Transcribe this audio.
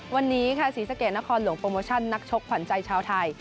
วันนี้ค่ะศรีสะเกดนครหลวงโปรโมชั่นนักชกขวัญใจชาวไทย